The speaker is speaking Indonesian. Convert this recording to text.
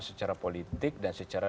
secara politik dan secara